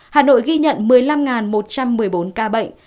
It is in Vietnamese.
hà nội ghi nhận một mươi năm một trăm một mươi bốn ca bệnh